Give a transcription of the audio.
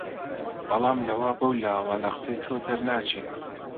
بەڵام لەوە بەولاوە لە قسەی تۆ دەرناچین